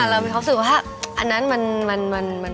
เรามีความรู้สึกว่าอันนั้นมัน